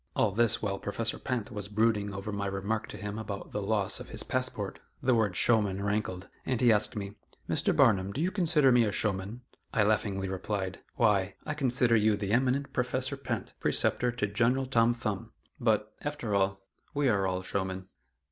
All this while Professor Pinte was brooding over my remark to him about the loss of his passport; the word "showman" rankled, and he asked me: "Mr. Barnum, do you consider me a showman?" I laughingly replied, "Why, I consider you the eminent Professor Pinte, preceptor to General Tom Thumb; but, after all, we are all showmen."